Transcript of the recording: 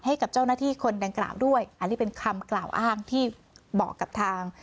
ให้กับเจ้าหน้าที่คนดังกล่าวด้วยอันนี้เป็นคำกล่าวอ้างที่บอกกับทาง